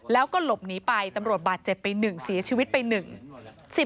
แล้วก็หลบหนีไปตำรวจบาดเจ็บไป๑เสียชีวิตไปหนึ่ง